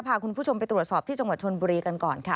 พาคุณผู้ชมไปตรวจสอบที่จังหวัดชนบุรีกันก่อนค่ะ